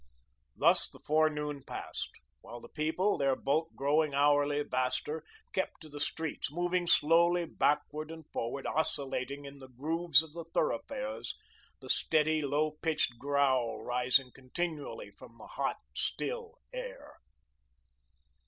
Thus the forenoon passed, while the people, their bulk growing hourly vaster, kept to the streets, moving slowly backward and forward, oscillating in the grooves of the thoroughfares, the steady, low pitched growl rising continually into the hot, still air.